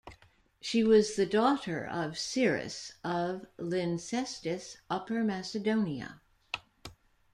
She was the daughter of Sirras of Lyncestis, Upper Macedonia.